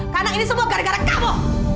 karena ini semua gara gara kamu